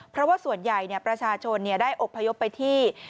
เพราะว่าส่วนใหญ่เนี่ยประชาชนเนี่ยได้อบพยพไปที่